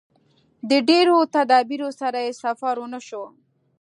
د ډېرو تدابیرو سره یې سفر ونشو.